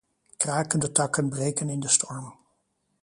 Krakende takken breken in de storm.